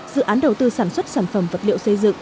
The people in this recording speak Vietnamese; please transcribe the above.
dự án đầu tư sản xuất sản phẩm vật liệu xây dựng